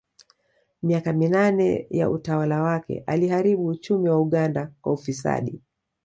Miaka minane ya utawala wake aliharibu uchumi wa Uganda kwa ufisadi